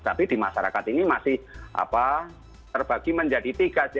tapi di masyarakat ini masih terbagi menjadi tiga